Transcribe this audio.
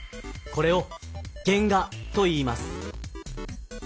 これを原画といいます。